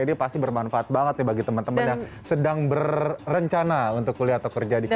ini pasti bermanfaat banget ya bagi teman teman yang sedang berencana untuk kuliah atau kerja di kantor